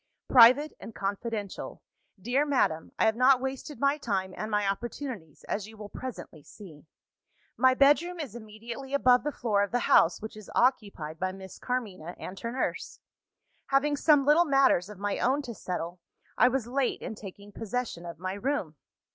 "Private and confidential. Dear Madam, I have not wasted my time and my opportunities, as you will presently see. "My bedroom is immediately above the floor of the house which is occupied by Miss Carmina and her nurse. Having some little matters of my own to settle, I was late in taking possession of my room.